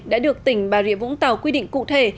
đã được tỉnh bà rịa vũng tàu quy định cụ thể